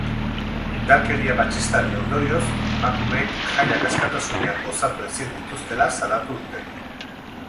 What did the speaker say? Indarkeria matxistaren ondorioz emakumeek jaiak askatasunean gozatu ezin dituztela salatu dute.